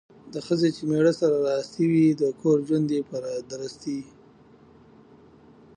د ښځې چې میړه سره راستي وي ،د کور ژوند یې په درستي